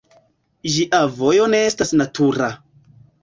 Ĝia vojo ne estas natura.